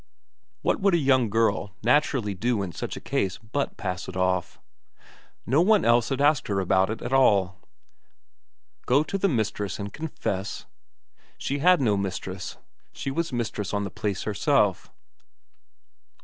What would a young girl naturally do in such a case but pass it off? No one else had asked her about it at all. Go to her mistress and confess? She had no mistress; she was mistress on the place herself.